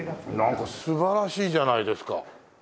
なんか素晴らしいじゃないですか。